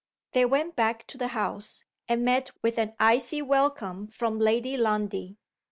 They went back to the house, and met with an icy welcome from Lady Lundie.